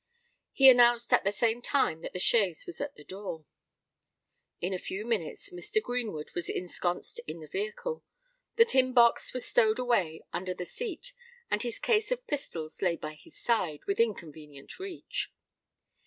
He announced at the same time that the chaise was at the door. In a few minutes, Mr. Greenwood was ensconced in the vehicle. The tin box was stowed away under the seat: and his case of pistols lay by his side, within convenient reach.